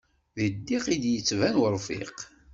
Di ddiq i d-yettban urfiq.